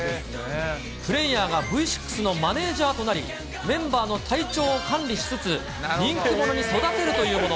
プレーヤーがＶ６のマネージャーとなり、メンバーの体調を管理しつつ、人気者に育てるというもの。